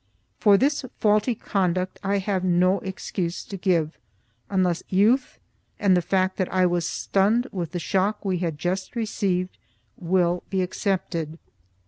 For this faulty conduct I have no excuse to give, unless youth and the fact that I was stunned with the shock we had just received, will be accepted.